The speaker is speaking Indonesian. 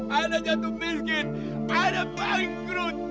ya allah saya jatuh miskin saya bangkrut